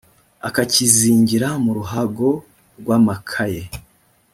akakizingira mu ruhago rw’amakaye